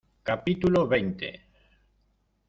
capítulo veinte.